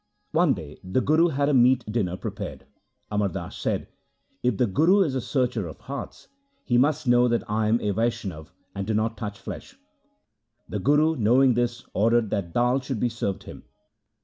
One day the Guru had a meat dinner prepared. Amar Das said, ' If the Guru is a searcher of hearts, he must know that I am a Vaishnav and do not touch flesh.' The Guru, knowing this, ordered that dal 1 should be served him.